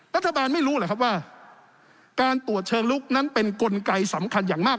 รัฐบาลไม่รู้เหรอครับว่าการตรวจเชิงลุกนั้นเป็นกลไกสำคัญอย่างมาก